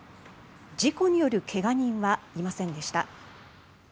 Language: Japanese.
事故による怪我人はいませんでした。